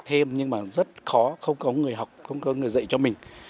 thêm nhưng mà rất khó không có người học không có người dạy cho mình